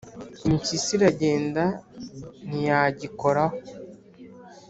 Impyisi iragenda ntiyagikoraho.